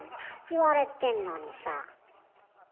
言われてんのにさ。